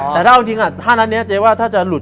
แต่ถ้าเอาจริงถ้านั้นเนี้ยเจ๊ว่าจะหลุด